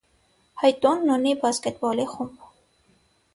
Հայ տունն ունի բասկետբոլի խումբ։